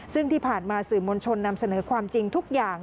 ซึ่งที่ผ่านมาสื่อมวลชนนำเสนอความจริงทุกอย่าง